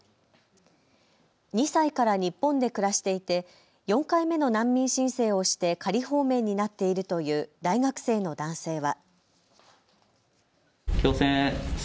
２歳から日本で暮らしていて４回目の難民申請をして仮放免になっているという大学生の男性は。